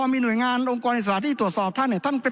มีหน่วยงานองค์กรอิสระที่ตรวจสอบท่านเนี่ย